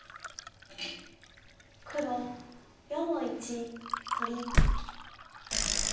黒４の一取り。